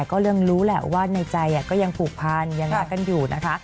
ก็เริ่มรู้แหละว่าในใจอย่างผูกพันอย่างนี้กันอยู่นะคะ